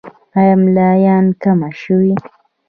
آیا ملاریا کمه شوې؟